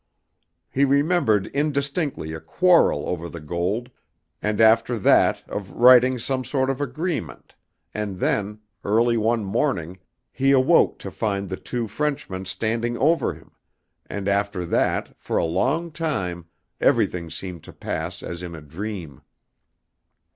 He remembered indistinctly a quarrel over the gold, and after that of writing some sort of agreement, and then, early one morning, he awoke to find the two Frenchmen standing over him, and after that, for a long time, everything seemed to pass as in a dream.